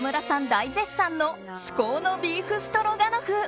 大絶賛の至高のビーフストロガノフ。